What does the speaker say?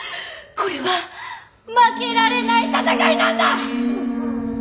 これは負けられない戦いなんだ！